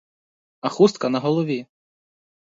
А хустка на голові!